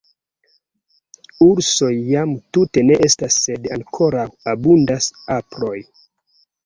Ursoj jam tute ne estas sed ankoraŭ abundas aproj.